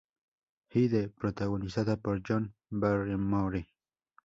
Hyde", protagonizada por John Barrymore.